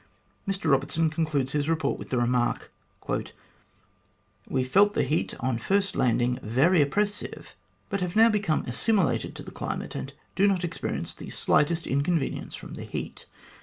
Mr Eobertson concludes his report with the remark :" We felt the heat on first landing very oppressive, but have now become assimilated to the climate, and do not experience the slightest inconvenience from the heat.